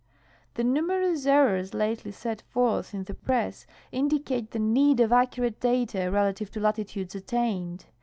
The numerous errors lately set forth in the i)ress indicate the need of accurate data relative to latitudes attained.